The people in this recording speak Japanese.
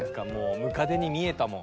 ムカデに見えたもん。